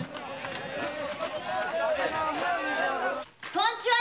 こんちは！